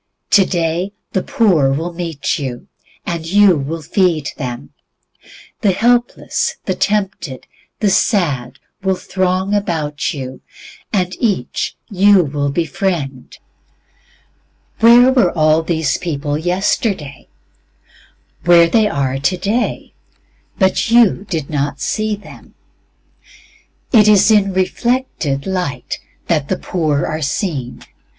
Today the poor will meet you, and you will feed them. The helpless, the tempted, the sad, will throng about you, and each you will befriend. Where were all these people yesterday? Where they are today, but you did not see them. It is in reflected light that the poor are seen.